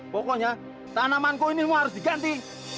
pokoknya tanamanku ini semua harus diganti